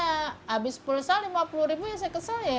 habis pulsa lima puluh ribu ya saya kesal ya